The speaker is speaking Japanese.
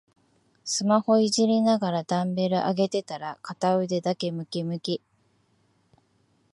スマホいじりながらダンベル上げてたら片腕だけムキムキ